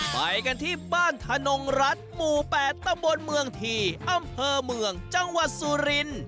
ไปกันที่บ้านธนงรัฐหมู่๘ตำบลเมืองทีอำเภอเมืองจังหวัดสุรินทร์